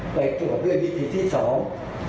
ไปตรวจด้วยวิธีที่สอง